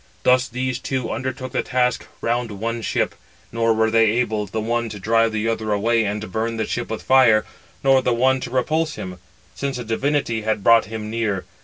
Thus these two undertook the task round one ship, nor were they able, the one to drive the other away and burn the ship with fire, nor the other to repulse him, since a divinity had brought him near.